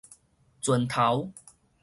船頭